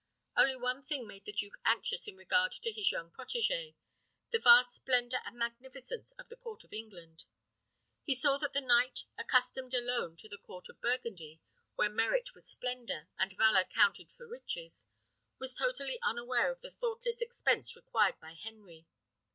Only one thing made the duke anxious in regard to his young protége: the vast splendour and magnificence of the court of England. He saw that the knight, accustomed alone to the court of Burgundy, where merit was splendour, and valour counted for riches, was totally unaware of the thoughtless expense required by Henry.